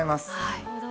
なるほど。